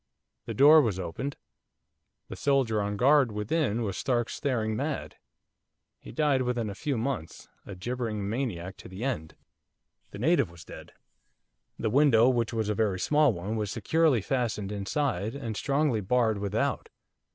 The door was opened. The soldier on guard within was stark, staring mad, he died within a few months, a gibbering maniac to the end. The native was dead. The window, which was a very small one, was securely fastened inside and strongly barred without.